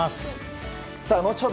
後ほど